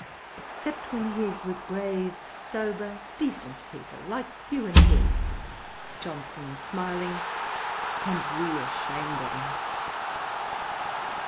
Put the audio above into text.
'Except when he is with grave, sober, decent people like you and me.' JOHNSON, (smiling) 'And we ashamed of him.'